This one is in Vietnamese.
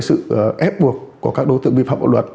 sự ép buộc của các đối tượng bị phạm bạo luật